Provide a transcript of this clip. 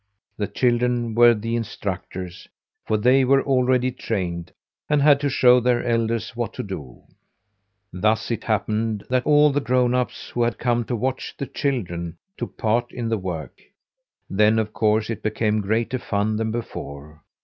The children were the instructors, for they were already trained, and had to show their elders what to do. Thus it happened that all the grown ups who had come to watch the children took part in the work. Then, of course, it became greater fun than before.